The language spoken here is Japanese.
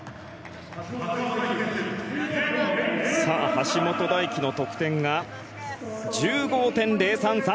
橋本大輝の得点１５．０３３。